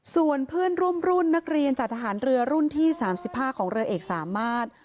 ส่วนเพื่อนร่วมรุ่นนักเรียนจัดทหารเรือรุ่นที่๓๕ของเรือเอกสามารถ